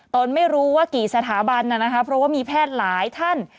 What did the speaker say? ตนไม่รู้ว่ากี่สถาบันนะครับเพราะว่ามีแพทย์หลายท่าน